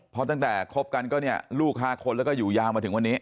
เพราะตั้งแต่คบกันก็เนี่ยลูก๕คนแล้วก็อยู่ยาวมาถึงวันนี้